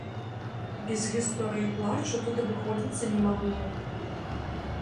Без гісторый і плачу тут абыходзіцца не магло.